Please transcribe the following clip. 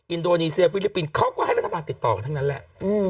อินโดนีเซียฟิลิปปินส์เขาก็ให้รัฐบาลติดต่อกันทั้งนั้นแหละ